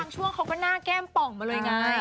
ช่วงเขาก็หน้าแก้มป่องมาเลยไง